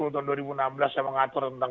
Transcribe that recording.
tahun dua ribu enam belas yang mengatur tentang